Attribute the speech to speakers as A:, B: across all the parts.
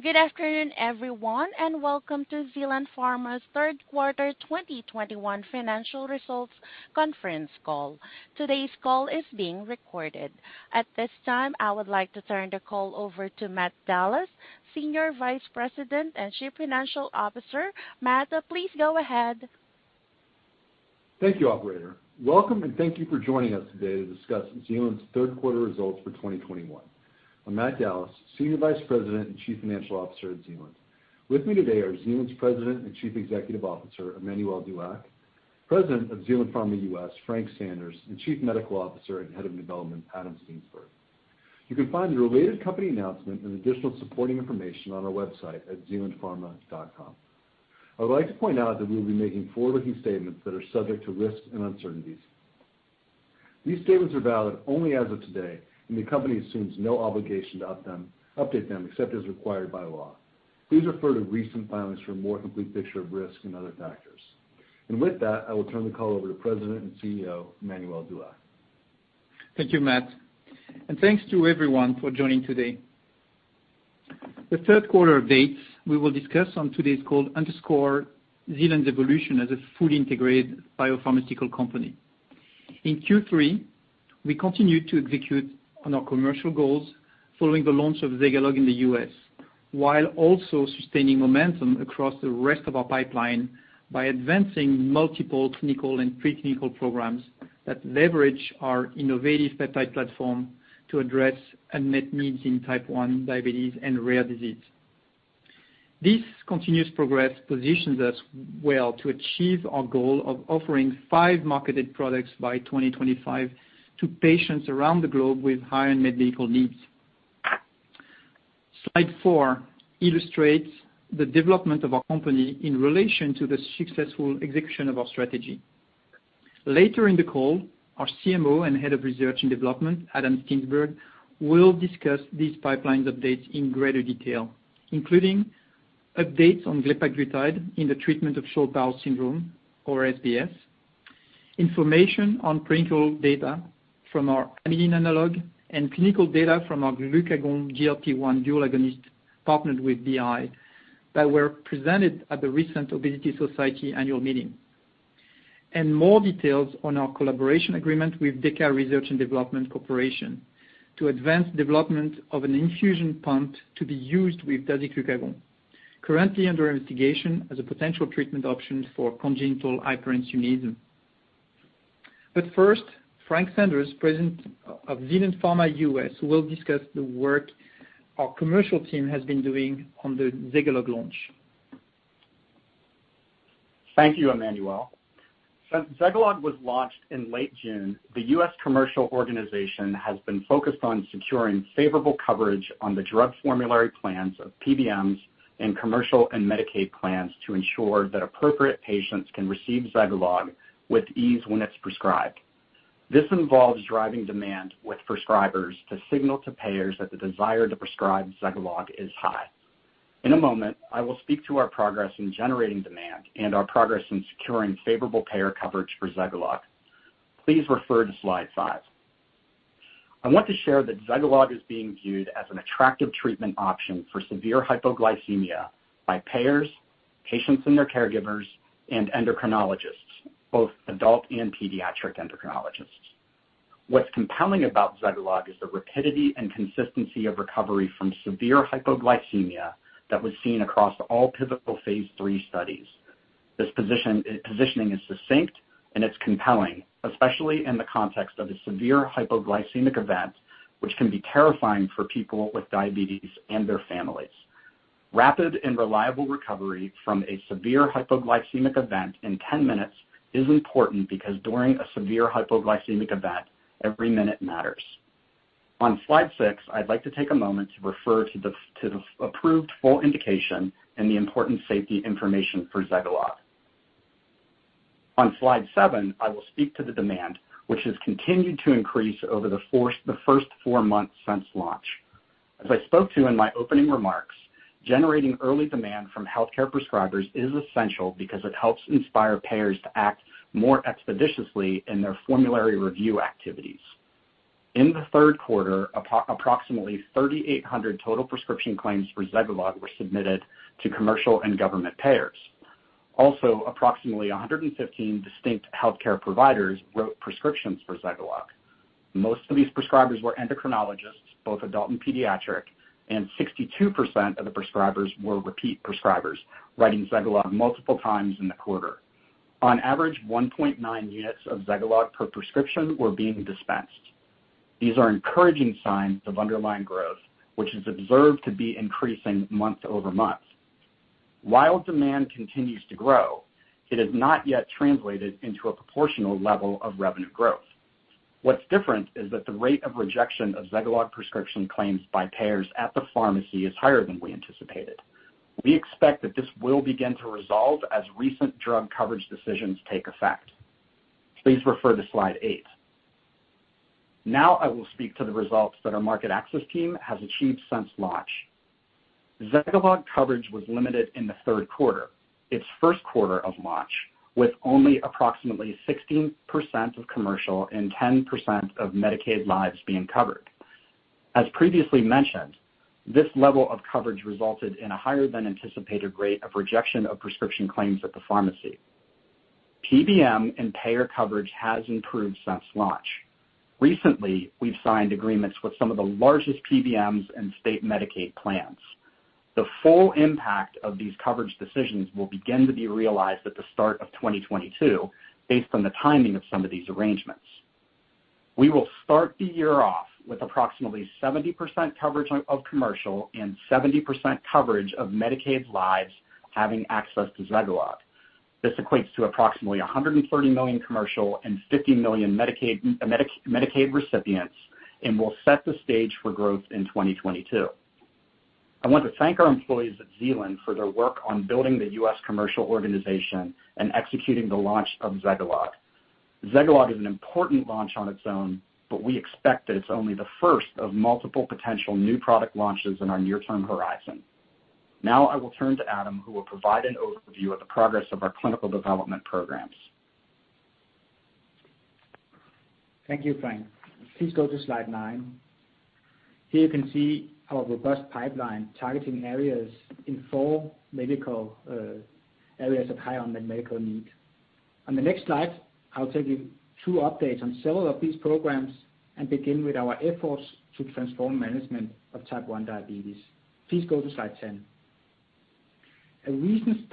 A: Good afternoon, everyone, and welcome to Zealand Pharma's Q3 2021 financial results conference call. Today's call is being recorded. At this time, I would like to turn the call over to Matt Dallas, Senior Vice President and Chief Financial Officer. Matt, please go ahead.
B: Thank you, operator. Welcome, and thank you for joining us today to discuss Zealand's third quarter results for 2021. I'm Matt Dallas, Senior Vice President and Chief Financial Officer at Zealand. With me today are Zealand's President and Chief Executive Officer, Emmanuel Dulac, President of Zealand Pharma U.S., Frank Sanders, and Chief Medical Officer and Head of Development, Adam Steensberg. You can find the related company announcement and additional supporting information on our website at zealandpharma.com. I would like to point out that we will be making forward-looking statements that are subject to risks and uncertainties. These statements are valid only as of today, and the company assumes no obligation to update them, except as required by law. Please refer to recent filings for a more complete picture of risks and other factors. With that, I will turn the call over to President and CEO, Emmanuel Dulac.
C: Thank you, Matt, and thanks to everyone for joining today. The Q3 updates we will discuss on today's call underscore Zealand's evolution as a fully integrated biopharmaceutical company. In Q3, we continued to execute on our commercial goals following the launch of Zegalogue in the U.S., while also sustaining momentum across the rest of our pipeline by advancing multiple clinical and pre-clinical programs that leverage our innovative peptide platform to address unmet needs in type 1 diabetes and rare disease. This continuous progress positions us well to achieve our goal of offering 5 marketed products by 2025 to patients around the globe with high unmet medical needs. Slide 4 illustrates the development of our company in relation to the successful execution of our strategy. Later in the call, our CMO and Head of Development, Adam Steensberg, will discuss these pipeline updates in greater detail, including updates on glepaglutide in the treatment of short bowel syndrome or SBS, information on clinical data from our amylin analog and clinical data from our GLP-1/glucagon dual agonist partnered with BI that were presented at the recent The Obesity Society annual meeting, more details on our collaboration agreement with DEKA Research & Development Corporation to advance development of an infusion pump to be used with dasiglucagon, currently under investigation as a potential treatment option for congenital hyperinsulinism. First, Frank Sanders, President of Zealand Pharma U.S., will discuss the work our commercial team has been doing on the ZEGALOGUE launch.
D: Thank you, Emmanuel. Since Zegalogue was launched in late June, the U.S. commercial organization has been focused on securing favorable coverage on the drug formulary plans of PBMs and commercial and Medicaid plans to ensure that appropriate patients can receive Zegalogue with ease when it's prescribed. This involves driving demand with prescribers to signal to payers that the desire to prescribe Zegalogue is high. In a moment, I will speak to our progress in generating demand and our progress in securing favorable payer coverage for Zegalogue. Please refer to slide five. I want to share that Zegalogue is being viewed as an attractive treatment option for severe hypoglycemia by payers, patients and their caregivers, and endocrinologists, both adult and pediatric endocrinologists. What's compelling about Zegalogue is the rapidity and consistency of recovery from severe hypoglycemia that was seen across all pivotal phase III studies. This position, positioning is succinct and it's compelling, especially in the context of a severe hypoglycemic event, which can be terrifying for people with diabetes and their families. Rapid and reliable recovery from a severe hypoglycemic event in 10 minutes is important because during a severe hypoglycemic event, every minute matters. On slide 6, I'd like to take a moment to refer to the approved full indication and the important safety information for Zegalogue. On slide 7, I will speak to the demand, which has continued to increase over the first four months since launch. As I spoke to in my opening remarks, generating early demand from healthcare prescribers is essential because it helps inspire payers to act more expeditiously in their formulary review activities. In the third quarter, approximately 3,800 total prescription claims for Zegalogue were submitted to commercial and government payers. Also, approximately 115 distinct healthcare providers wrote prescriptions for Zegalogue. Most of these prescribers were endocrinologists, both adult and pediatric, and 62% of the prescribers were repeat prescribers, writing Zegalogue multiple times in the quarter. On average, 1.9 units of Zegalogue per prescription were being dispensed. These are encouraging signs of underlying growth, which is observed to be increasing month-over-month. While demand continues to grow, it has not yet translated into a proportional level of revenue growth. What's different is that the rate of rejection of Zegalogue prescription claims by payers at the pharmacy is higher than we anticipated. We expect that this will begin to resolve as recent drug coverage decisions take effect. Please refer to slide eight. Now I will speak to the results that our market access team has achieved since launch. ZEGALOGUE coverage was limited in the Q3, its Q1 of launch, with only approximately 16% of commercial and 10% of Medicaid lives being covered. As previously mentioned, this level of coverage resulted in a higher than anticipated rate of rejection of prescription claims at the pharmacy. PBM and payer coverage has improved since launch. Recently, we've signed agreements with some of the largest PBMs and state Medicaid plans. The full impact of these coverage decisions will begin to be realized at the start of 2022, based on the timing of some of these arrangements. We will start the year off with approximately 70% coverage of commercial and 70% coverage of Medicaid lives having access to ZEGALOGUE. This equates to approximately 130 million commercial and 50 million Medicaid recipients and will set the stage for growth in 2022. I want to thank our employees at Zealand for their work on building the U.S. commercial organization and executing the launch of Zegalogue. Zegalogue is an important launch on its own, but we expect that it's only the first of multiple potential new product launches in our near-term horizon. Now I will turn to Adam, who will provide an overview of the progress of our clinical development programs.
E: Thank you, Frank. Please go to slide 9. Here you can see our robust pipeline targeting areas in four medical areas of high unmet medical need. On the next slide, I'll take you through updates on several of these programs and begin with our efforts to transform management of type 1 diabetes. Please go to slide 10. A recent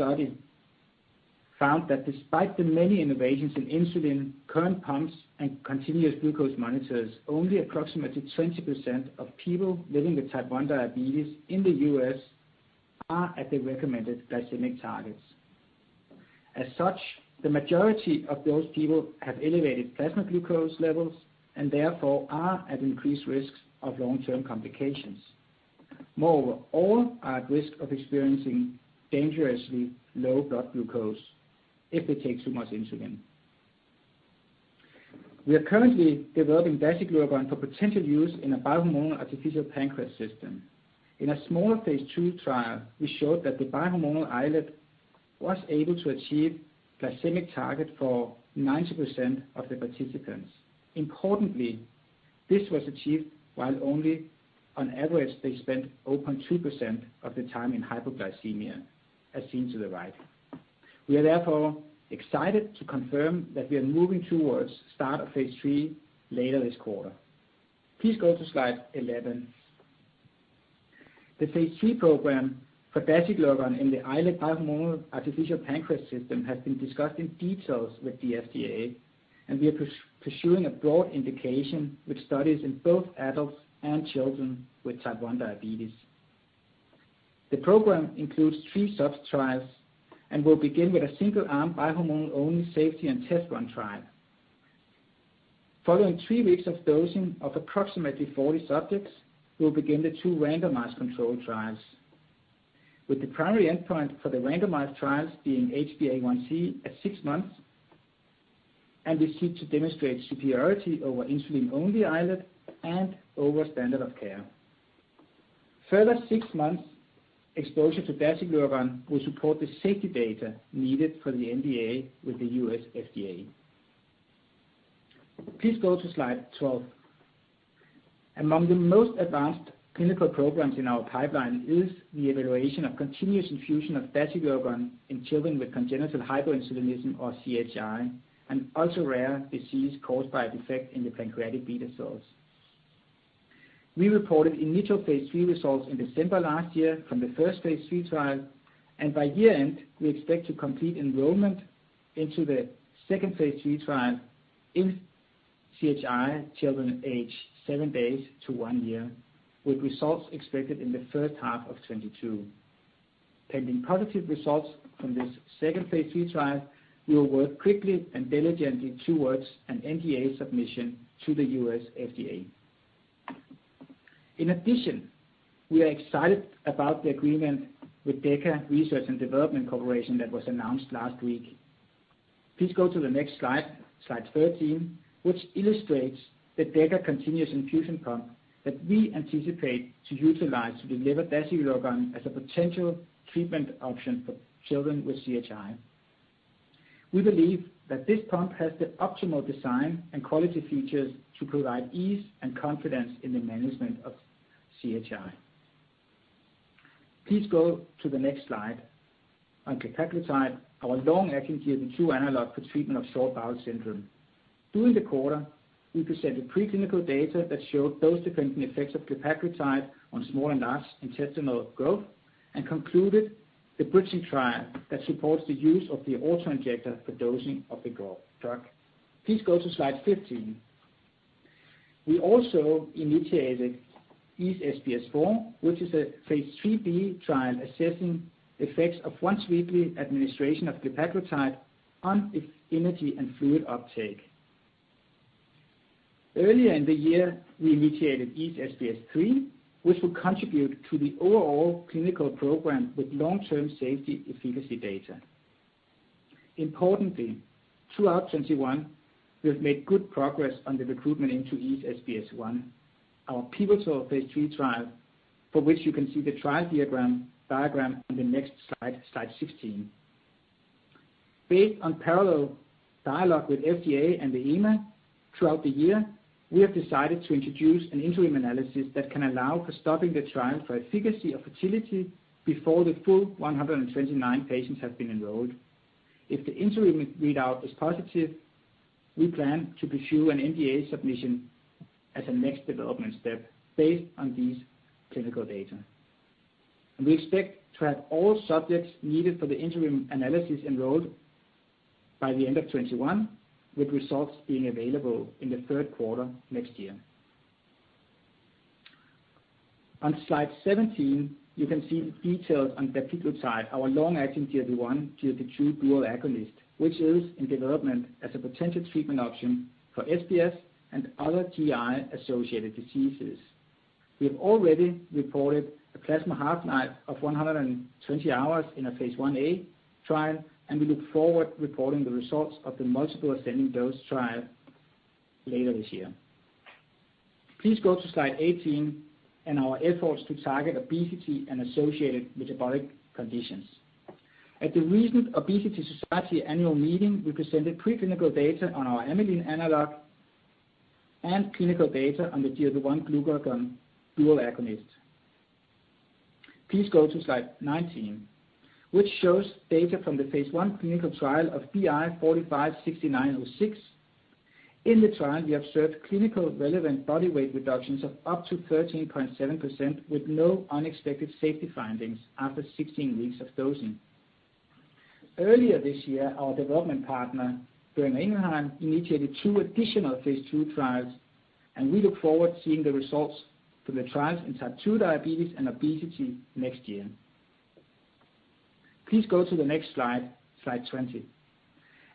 E: study found that despite the many innovations in insulin, current pumps, and continuous glucose monitors, only approximately 20% of people living with type 1 diabetes in the U.S. are at the recommended glycemic targets. As such, the majority of those people have elevated plasma glucose levels and therefore are at increased risks of long-term complications. Moreover, all are at risk of experiencing dangerously low blood glucose if they take too much insulin. We are currently developing dasiglucagon for potential use in a bi-hormonal artificial pancreas system. In a smaller phase II trial, we showed that the iLet bi-hormonal artificial pancreas was able to achieve glycemic target for 90% of the participants. Importantly, this was achieved while only, on average, they spent 0.2% of the time in hypoglycemia, as seen to the right. We are therefore excited to confirm that we are moving towards start of phase III later this quarter. Please go to slide 11. The phase III program for dasiglucagon in the iLet bi-hormonal artificial pancreas system has been discussed in details with the FDA, and we are pursuing a broad indication with studies in both adults and children with type 1 diabetes. The program includes three sub-trials and will begin with a single-arm bi-hormone-only safety and test run trial. Following 3 weeks of dosing of approximately 40 subjects, we will begin the 2 randomized controlled trials. With the primary endpoint for the randomized trials being HbA1c at 6 months, we seek to demonstrate superiority over insulin-only iLet and over standard of care. Further 6 months exposure to dasiglucagon will support the safety data needed for the NDA with the U.S. FDA. Please go to slide 12. Among the most advanced clinical programs in our pipeline is the evaluation of continuous infusion of dasiglucagon in children with congenital hyperinsulinism, or CHI, an ultra-rare disease caused by a defect in the pancreatic beta cells. We reported initial phase III results in December last year from the first phase III trial, and by year-end, we expect to complete enrollment into the second phase III trial in CHI children aged 7 days to 1 year, with results expected in the second half of 2022. Pending positive results from this second phase III trial, we will work quickly and diligently towards an NDA submission to the U.S. FDA. In addition, we are excited about the agreement with DEKA Research & Development Corporation that was announced last week. Please go to the next slide 13, which illustrates the DEKA continuous infusion pump that we anticipate to utilize to deliver dasiglucagon as a potential treatment option for children with CHI. We believe that this pump has the optimal design and quality features to provide ease and confidence in the management of CHI. Please go to the next slide. On glepaglutide, our long-acting GLP-2 analog for treatment of short bowel syndrome. During the quarter, we presented preclinical data that showed dose-dependent effects of glepaglutide on small and large intestinal growth and concluded the bridging trial that supports the use of the auto-injector for dosing of the growth drug. Please go to slide 15. We also initiated EASE-SBS 4, which is a phase IIIb trial assessing effects of once-weekly administration of glepaglutide on its energy and fluid uptake. Earlier in the year, we initiated EASE-SBS 3, which will contribute to the overall clinical program with long-term safety efficacy data. Importantly, throughout 2021, we have made good progress on the recruitment into EASE-SBS 1, our pivotal phase III trial, for which you can see the trial diagram on the next slide 16. Based on parallel dialogue with FDA and the EMA throughout the year, we have decided to introduce an interim analysis that can allow for stopping the trial for efficacy or futility before the full 129 patients have been enrolled. If the interim readout is positive, we plan to pursue an NDA submission as a next development step based on these clinical data. We expect to have all subjects needed for the interim analysis enrolled by the end of 2021, with results being available in the Q3 next year. On slide 17, you can see the details on dapiglutide, our long-acting GLP-1/GLP-2 dual agonist, which is in development as a potential treatment option for SBS and other GI-associated diseases. We have already reported a plasma half-life of 120 hours in a phase I A trial, and we look forward to reporting the results of the multiple ascending dose trial later this year. Please go to slide 18 and our efforts to target obesity and associated metabolic conditions. At the recent The Obesity Society annual meeting, we presented preclinical data on our amylin analog and clinical data on the GLP-1/glucagon dual agonist. Please go to slide 19, which shows data from the phase I clinical trial of BI 456906. In the trial, we observed clinically relevant body weight reductions of up to 13.7% with no unexpected safety findings after 16 weeks of dosing. Earlier this year, our development partner, Boehringer Ingelheim, initiated two additional phase II trials, and we look forward to seeing the results from the trials in type 2 diabetes and obesity next year. Please go to the next slide 20.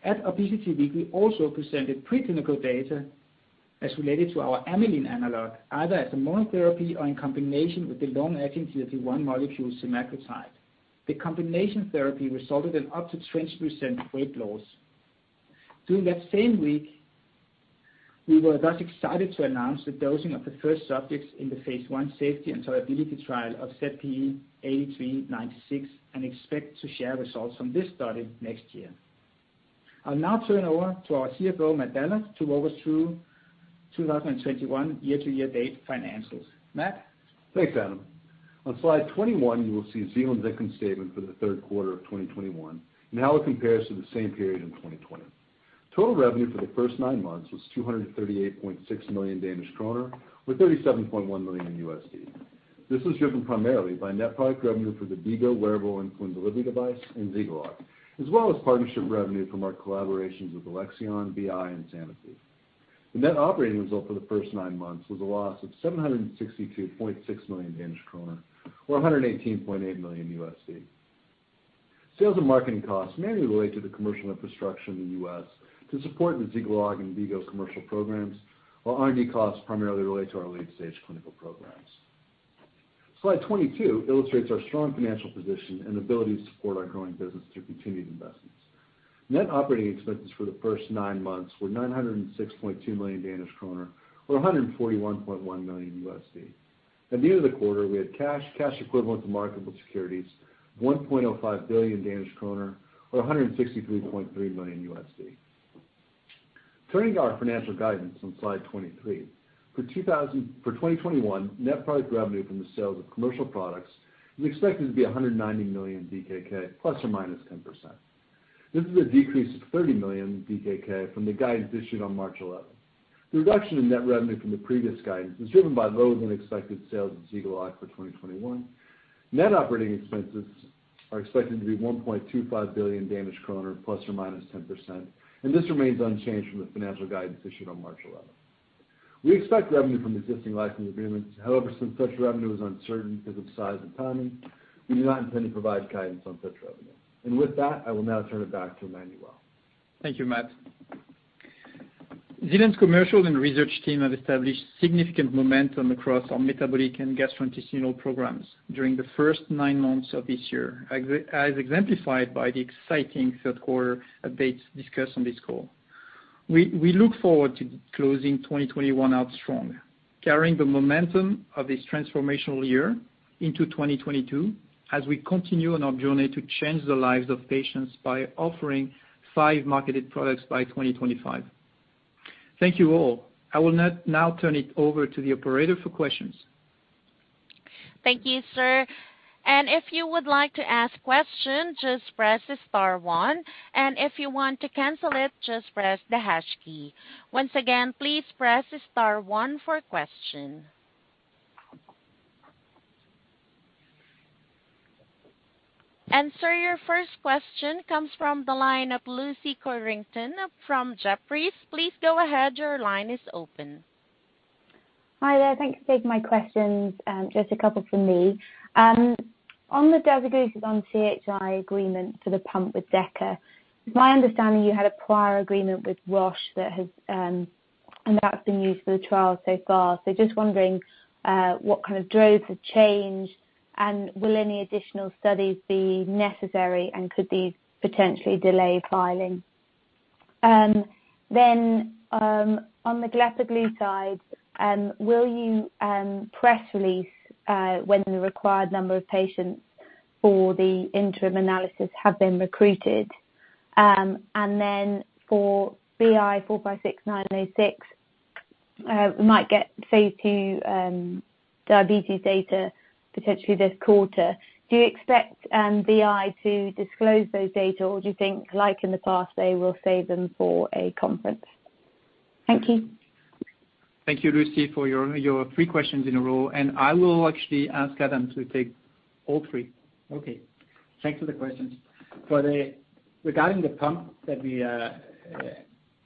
E: At Obesity Week, we also presented preclinical data as related to our amylin analog, either as a monotherapy or in combination with the long-acting GLP-1 molecule semaglutide. The combination therapy resulted in up to 20% weight loss. During that same week, we were thus excited to announce the dosing of the first subjects in the phase I safety and tolerability trial of ZP8396, and expect to share results from this study next year. I'll now turn over to our CFO, Matt Dallas, to walk us through 2021 year-to-date financials. Matt?
B: Thanks, Adam. On slide 21, you will see Zealand's income statement for the Q3 of 2021 and how it compares to the same period in 2020. Total revenue for the first nine months was 238.6 million Danish kroner, or $37.1 million. This was driven primarily by net product revenue for the V-Go wearable insulin delivery device and Zegalogue, as well as partnership revenue from our collaborations with Alexion, BI, and Sanofi. The net operating result for the first nine months was a loss of 762.6 million Danish kroner, or $118.8 million. Sales and marketing costs mainly relate to the commercial infrastructure in the U.S. to support the Zegalogue and V-Go commercial programs, while R&D costs primarily relate to our late-stage clinical programs. Slide 22 illustrates our strong financial position and ability to support our growing business through continued investments. Net operating expenses for the first nine months were 906.2 million Danish kroner, or $141.1 million. At the end of the quarter, we had cash equivalents and marketable securities, 1.05 billion Danish kroner, or $163.3 million. Turning to our financial guidance on slide 23. For 2021, net product revenue from the sales of commercial products is expected to be 190 million DKK ±10%. This is a decrease of 30 million DKK from the guidance issued on March 11. The reduction in net revenue from the previous guidance was driven by lower-than-expected sales of Zegalogue for 2021. Net operating expenses are expected to be 1.25 billion Danish kroner, ±10%, and this remains unchanged from the financial guidance issued on March 11. We expect revenue from existing licensing agreements. However, since such revenue is uncertain because of size and timing, we do not intend to provide guidance on such revenue. With that, I will now turn it back to Emmanuel.
C: Thank you, Matt. Zealand's commercial and research team have established significant momentum across our metabolic and gastrointestinal programs during the first nine months of this year, as exemplified by the exciting third quarter updates discussed on this call. We look forward to closing 2021 out strong, carrying the momentum of this transformational year into 2022 as we continue on our journey to change the lives of patients by offering five marketed products by 2025. Thank you all. I will now turn it over to the operator for questions.
A: Thank you, sir. If you would like to ask a question, just press star one. If you want to cancel it, just press the hash key. Once again, please press star one to ask a question. Sir, your first question comes from the line of Lucy Codrington from Jefferies. Please go ahead. Your line is open.
F: Hi there. Thank you for taking my questions. Just a couple from me. On the dasiglucagon T1D agreement for the pump with DEKA, it's my understanding you had a prior agreement with Roche that has, and that's been used for the trial so far. Just wondering what kind of drove the change and will any additional studies be necessary, and could these potentially delay filing? On the glepaglutide side, will you press release when the required number of patients for the interim analysis have been recruited? For BI 456906, you might get phase II diabetes data potentially this quarter. Do you expect BI to disclose those data, or do you think, like in the past, they will save them for a conference? Thank you.
C: Thank you, Lucy, for your three questions in a row, and I will actually ask Adam to take all three.
E: Okay. Thanks for the questions. Regarding the pump that we are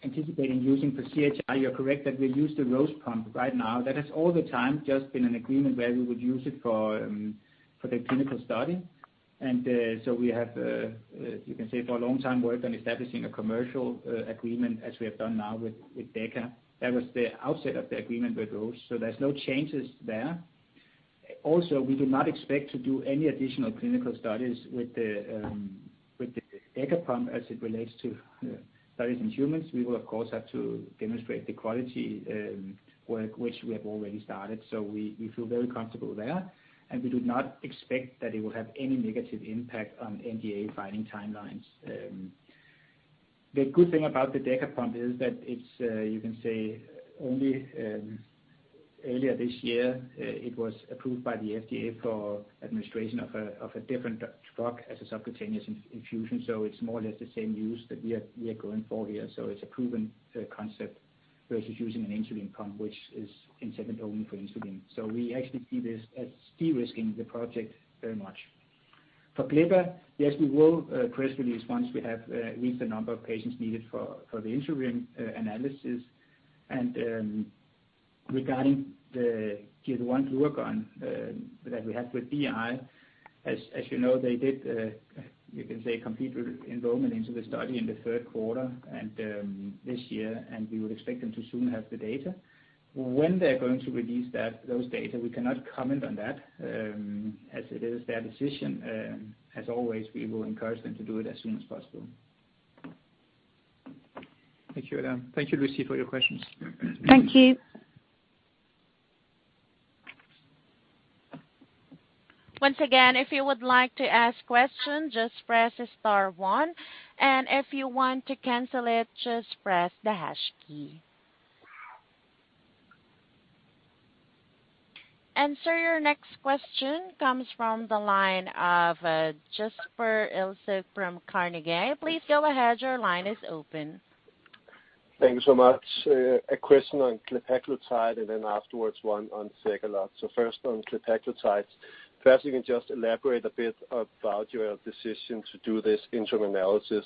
E: anticipating using for CHR, you're correct that we use the Roche pump right now. That has all the time just been an agreement where we would use it for the clinical study. We have, you can say, for a long time worked on establishing a commercial agreement, as we have done now with DEKA. That was the outset of the agreement with Roche. There's no changes there. Also, we do not expect to do any additional clinical studies with the DEKA pump as it relates to studies in humans. We will, of course, have to demonstrate the quality work, which we have already started. We feel very comfortable there, and we do not expect that it will have any negative impact on NDA filing timelines. The good thing about the DEKA pump is that it's you can say only earlier this year it was approved by the FDA for administration of a different drug as a subcutaneous infusion. It's more or less the same use that we are going for here. It's a proven concept versus using an insulin pump, which is intended only for insulin. We actually see this as de-risking the project very much. For glepaglutide, yes, we will press release once we have reached the number of patients needed for the interim analysis. Regarding the GLP-1/glucagon dual agonist that we have with BI, as you know, they did, you can say, complete enrollment into the study in the Q3 this year, and we would expect them to soon have the data. When they're going to release those data, we cannot comment on that, as it is their decision. As always, we will encourage them to do it as soon as possible.
C: Thank you, Adam. Thank you, Lucy, for your questions.
F: Thank you.
A: Once again, if you would like to ask questions, just press star one, and if you want to cancel it, just press the hash key. Sir, your next question comes from the line of Jasper Ilse from Carnegie. Please go ahead, your line is open.
G: Thank you so much. A question on glepaglutide, and then afterwards, one on Zegalogue. First on glepaglutide. First, you can just elaborate a bit about your decision to do this interim analysis.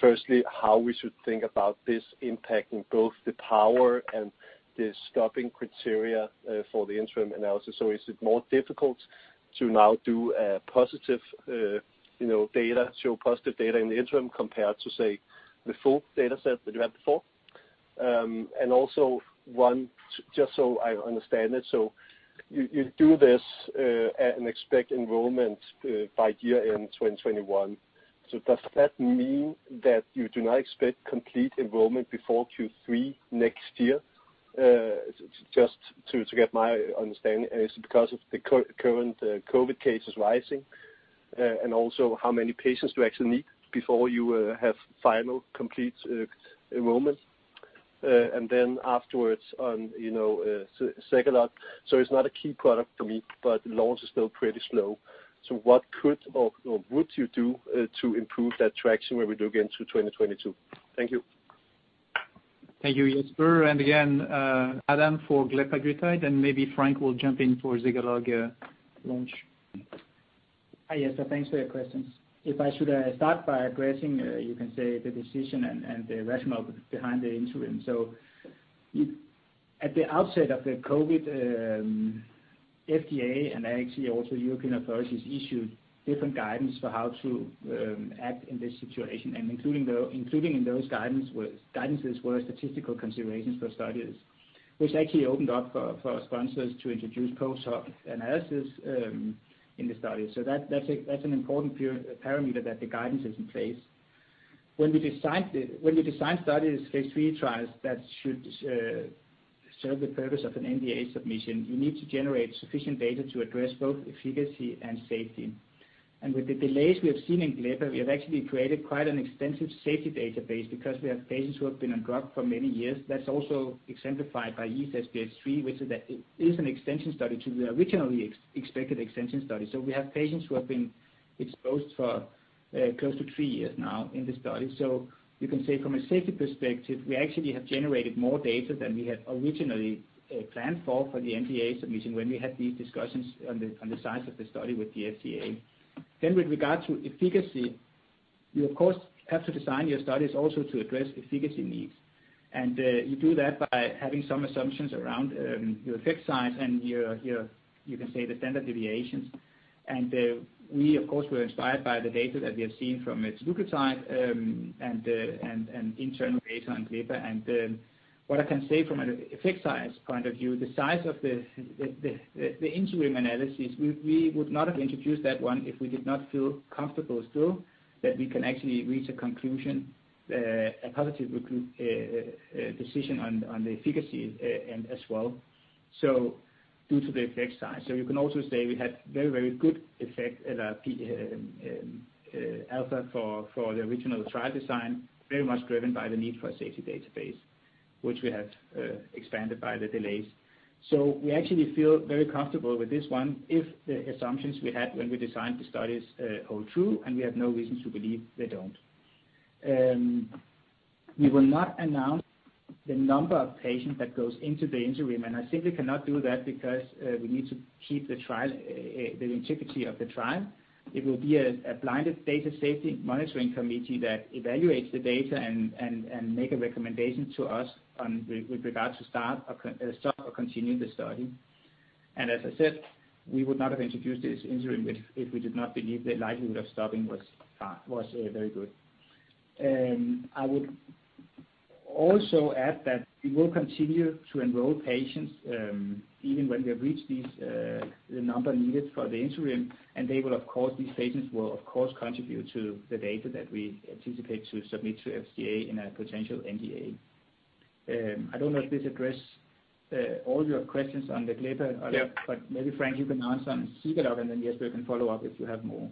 G: Firstly, how we should think about this impacting both the power and the stopping criteria for the interim analysis. Is it more difficult to now show positive data in the interim compared to, say, the full data set that you had before? Also one, just so I understand it, you do this and expect enrollment by year-end 2021. Does that mean that you do not expect complete enrollment before Q3 next year? Just to get my understanding. Is it because of the current COVID cases rising? Also, how many patients do you actually need before you have final complete enrollment? Afterwards, on you know Zegalogue. It's not a key product for me, but launch is still pretty slow. What could or would you do to improve that traction when we do get into 2022? Thank you.
C: Thank you, Jasper. Again, Adam for glepaglutide, and maybe Frank will jump in for Zegalogue launch.
E: Hi, Jasper. Thanks for your questions. If I should start by addressing you can say the decision and the rationale behind the interim. At the outset of the COVID, FDA and actually also European authorities issued different guidance for how to act in this situation. Including in those guidances were statistical considerations for studies, which actually opened up for sponsors to introduce post-hoc analysis in the study. That's an important parameter that the guidance is in place. When we design studies, phase III trials, that should serve the purpose of an NDA submission, you need to generate sufficient data to address both efficacy and safety. With the delays we have seen in glepaglutide, we have actually created quite an extensive safety database because we have patients who have been on drug for many years. That's also exemplified by EASE-SBS 3, which is an extension study to the originally expected extension study. We have patients who have been exposed for close to three years now in the study. You can say from a safety perspective, we actually have generated more data than we had originally planned for the NDA submission when we had these discussions on the size of the study with the FDA. With regard to efficacy, you of course have to design your studies also to address efficacy needs. You do that by having some assumptions around your effect size and, you can say, the standard deviations. We of course were inspired by the data that we have seen from its glucagon and internal data on GLP. What I can say from an effect size point of view, the size of the interim analysis, we would not have introduced that one if we did not feel comfortable still that we can actually reach a positive decision on the efficacy and as well. Due to the effect size. You can also say we had very good effect at alpha for the original trial design, very much driven by the need for a safety database, which we have expanded by the delays. We actually feel very comfortable with this one if the assumptions we had when we designed the studies hold true, and we have no reason to believe they don't. We will not announce the number of patients that goes into the interim, and I simply cannot do that because we need to keep the integrity of the trial. It will be a blinded data safety monitoring committee that evaluates the data and make a recommendation to us on with regard to start or stop or continue the study. As I said, we would not have introduced this interim if we did not believe the likelihood of stopping was very good. I would also add that we will continue to enroll patients, even when we have reached the number needed for the interim. They will of course, these patients contribute to the data that we anticipate to submit to FDA in a potential NDA. I don't know if this addresses all your questions on the GLP or other.
D: Yeah.
E: Maybe Frank, you can answer on Zegalogue, and then Jasper can follow up if you have more.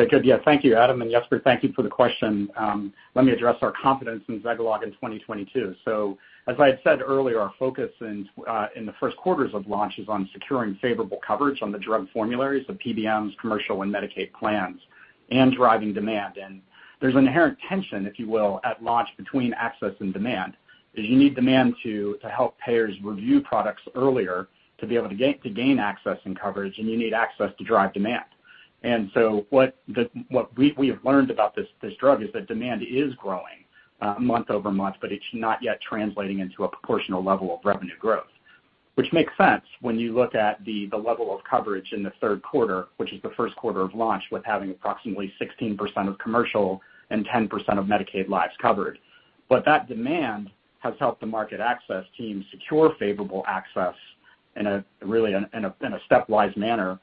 D: Okay, good. Yeah. Thank you, Adam Steensberg. And Jasper Ilse, thank you for the question. Let me address our confidence in Zegalogue in 2022. As I had said earlier, our focus in the Q1 of launch is on securing favorable coverage on the drug formularies of PBMs, commercial and Medicaid plans, and driving demand. There's inherent tension, if you will, at launch between access and demand in that you need demand to help payers review products earlier to be able to gain access and coverage, and you need access to drive demand. What we have learned about this drug is that demand is growing month-over-month, but it's not yet translating into a proportional level of revenue growth. Which makes sense when you look at the level of coverage in the third quarter, which is the first quarter of launch with having approximately 16% of commercial and 10% of Medicaid lives covered. That demand has helped the market access team secure favorable access in a really stepwise manner,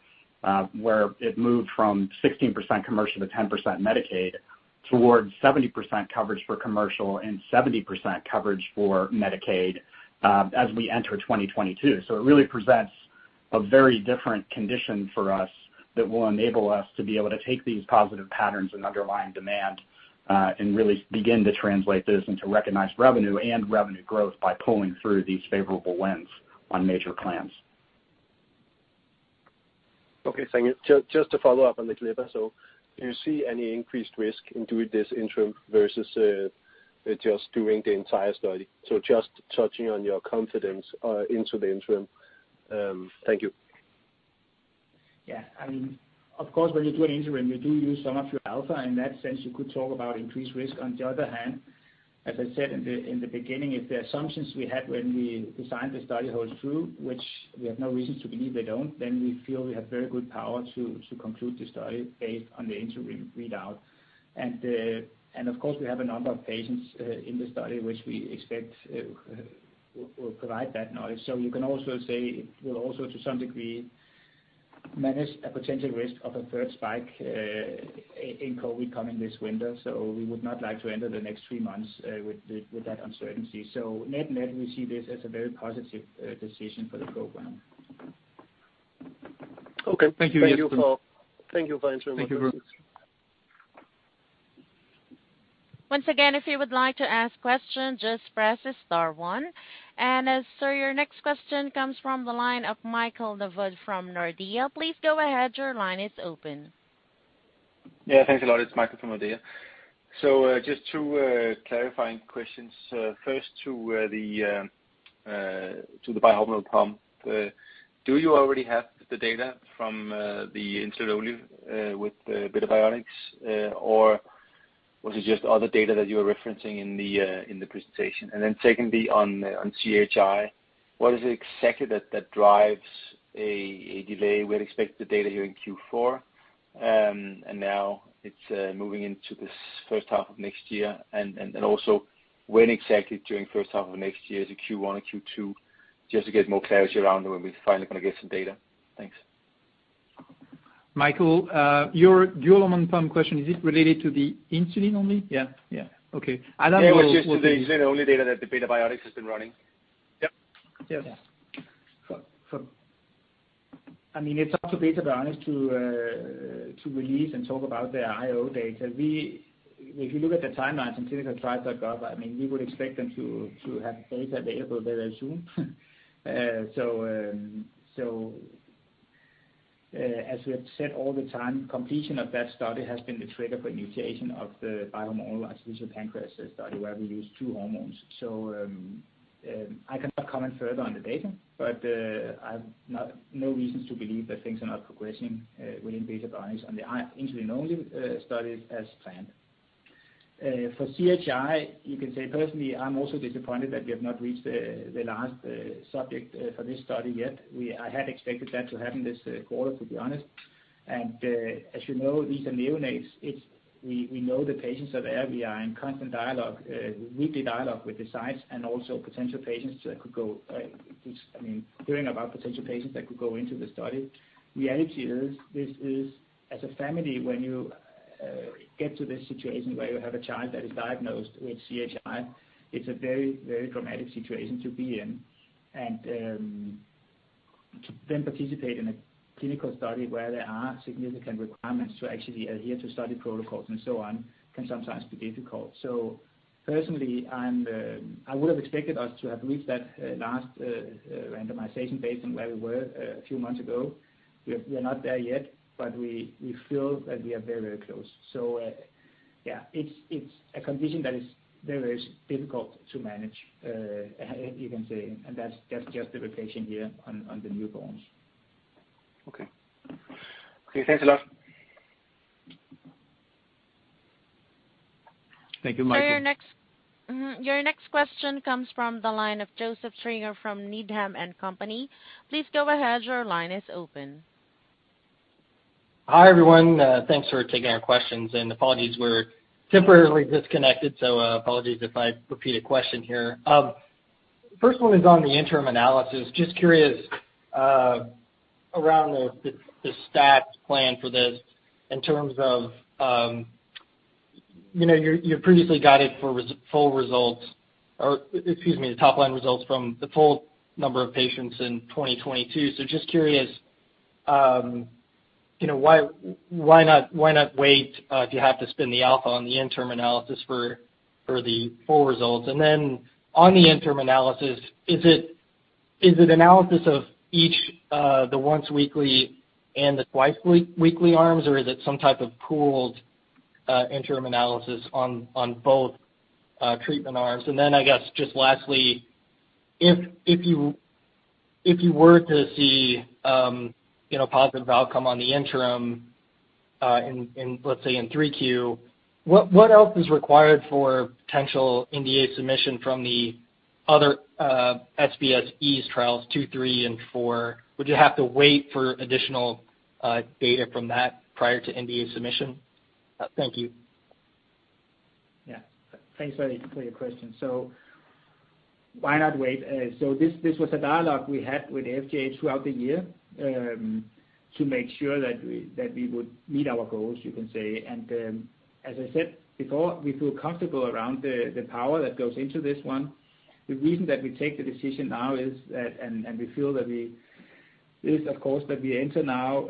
D: where it moved from 16% commercial to 10% Medicaid towards 70% coverage for commercial and 70% coverage for Medicaid, as we enter 2022. It really presents a very different condition for us that will enable us to be able to take these positive patterns and underlying demand and really begin to translate this into recognized revenue and revenue growth by pulling through these favorable wins on major plans.
G: Okay, thank you. Just to follow up on the GLP. Do you see any increased risk in doing this interim versus just doing the entire study? Just touching on your confidence into the interim. Thank you.
E: Yeah. I mean, of course, when you do an interim, you do use some of your alpha. In that sense, you could talk about increased risk. On the other hand, as I said in the beginning, if the assumptions we had when we designed the study holds true, which we have no reason to believe they don't, then we feel we have very good power to conclude the study based on the interim readout. And of course we have a number of patients in the study, which we expect will provide that knowledge. You can also say it will also, to some degree, manage a potential risk of a third spike in COVID coming this winter. We would not like to enter the next three months with that uncertainty. Net-net, we see this as a very positive decision for the program.
G: Okay. Thank you for
E: Thank you.
G: Thank you for answering my questions.
E: Thank you very much.
A: Once again, if you would like to ask questions, just press star one. Sir, your next question comes from the line of Michael Novod from Nordea. Please go ahead, your line is open.
H: Yeah, thanks a lot. It's Michael from Nordea. So, just two clarifying questions. First to the bi-hormonal pump. Do you already have the data from the insulin-only with Beta Bionics? Or was it just other data that you were referencing in the presentation? Then secondly on CHI, what is it exactly that drives a delay? We had expected the data here in Q4, and now it's moving into this H1 of next year. And also when exactly during H1 of next year? Is it Q1 or Q2? Just to get more clarity around when we're finally gonna get some data. Thanks.
D: Michael, your dual hormone pump question, is it related to the insulin only? Yeah. Okay. Adam will-
H: It was just the insulin-only data that Beta Bionics has been running. Yep.
E: Yeah. I mean, it's up to Beta Bionics to release and talk about their insulin-only data. If you look at the timelines on clinicaltrials.gov, I mean, we would expect them to have data available very soon. As we have said all the time, completion of that study has been the trigger for initiation of the bi-hormonal artificial pancreas study where we use two hormones. I cannot comment further on the data, but I've no reasons to believe that things are not progressing within Beta Bionics on the insulin-only studies as planned. For CHI, you can say personally, I'm also disappointed that we have not reached the last subject for this study yet. I had expected that to happen this quarter, to be honest. As you know, these are neonates. We know the patients that are there. We are in constant dialogue, weekly dialogue with the sites and also potential patients that could go, just, I mean, hearing about potential patients that could go into the study. Reality is this is, as a family when you get to this situation where you have a child that is diagnosed with CHI, it's a very, very dramatic situation to be in. To then participate in a clinical study where there are significant requirements to actually adhere to study protocols and so on can sometimes be difficult. Personally, I would have expected us to have reached that last randomization based on where we were a few months ago. We're not there yet, but we feel that we are very close. It's a condition that is very difficult to manage, you can say, and that's just the patient here on the newborns.
H: Okay. Okay, thanks a lot.
E: Thank you, Michael.
A: Your next question comes from the line of Joseph Stringer from Needham & Company. Please go ahead. Your line is open.
I: Hi, everyone. Thanks for taking our questions. Apologies, we were temporarily disconnected, so apologies if I repeat a question here. First one is on the interim analysis. Just curious around the stat plan for this in terms of you know your previously guided for full results or excuse me the top line results from the full number of patients in 2022. Just curious you know why not wait if you have to spend the alpha on the interim analysis for the full results? On the interim analysis, is it analysis of each the once weekly and the twice-weekly arms, or is it some type of pooled interim analysis on both treatment arms? I guess just lastly, if you were to see you know positive outcome on the interim in let's say Q3, what else is required for potential NDA submission from the other EASE-SBS trials 2, 3 and 4? Would you have to wait for additional data from that prior to NDA submission? Thank you.
E: Yeah. Thanks for the clear question. Why not wait? This was a dialogue we had with the FDA throughout the year to make sure that we would meet our goals, you can say. As I said before, we feel comfortable around the power that goes into this one. The reason that we take the decision now is that we enter now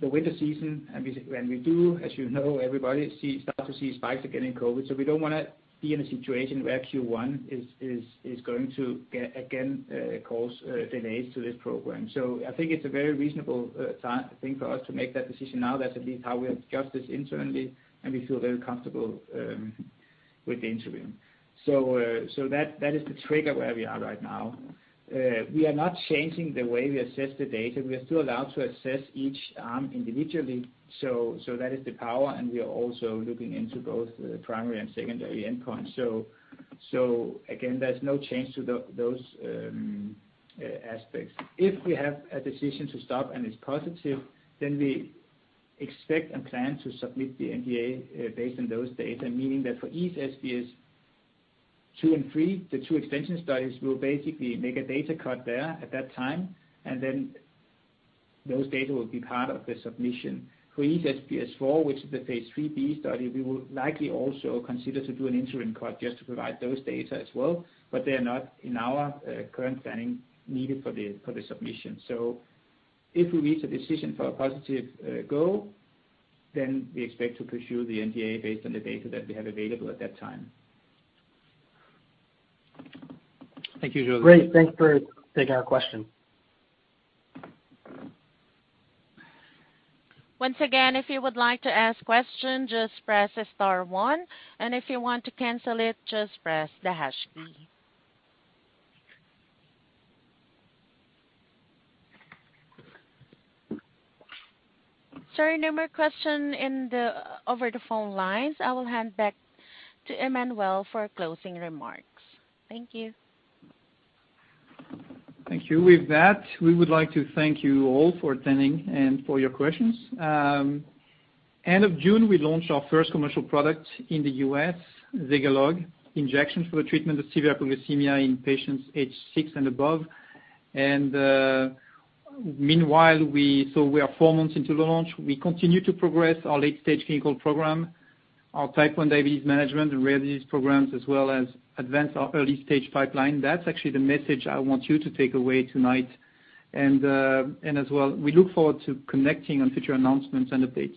E: the winter season, and when we do, as you know, everybody starts to see spikes again in COVID. We don't wanna be in a situation where Q1 is going to get again cause delays to this program. I think it's a very reasonable thing for us to make that decision now. That's at least how we have discussed this internally, and we feel very comfortable with the interim. That is the trigger where we are right now. We are not changing the way we assess the data. We are still allowed to assess each arm individually. That is the power, and we are also looking into both the primary and secondary endpoints. Again, there's no change to those aspects. If we have a decision to stop and it's positive, then we expect and plan to submit the NDA based on those data, meaning that for each SBS two and three, the two extension studies will basically make a data cut there at that time, and then those data will be part of the submission. For each SBS 4, which is the phase 3b study, we will likely also consider to do an interim cut just to provide those data as well, but they are not in our current planning needed for the submission. If we reach a decision for a positive go, then we expect to pursue the NDA based on the data that we have available at that time.
I: Thank you, Joseph. Great. Thanks for taking our question.
A: There are no more questions over the phone lines. I will hand back to Emmanuel Dulac for closing remarks. Thank you.
C: Thank you. With that, we would like to thank you all for attending and for your questions. End of June, we launched our first commercial product in the U.S., Zegalogue injection for the treatment of severe hypoglycemia in patients aged six and above. Meanwhile, we are four months into the launch. We continue to progress our late-stage clinical program, our type 1 diabetes management, the rare disease programs, as well as advance our early stage pipeline. That's actually the message I want you to take away tonight. As well, we look forward to connecting on future announcements and updates.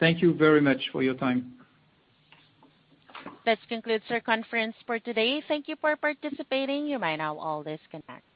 C: Thank you very much for your time.
A: This concludes our conference for today. Thank you for participating. You may now all disconnect.